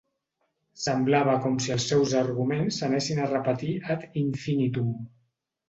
Semblava com si els seus arguments s'anessin a repetir ad infinitum.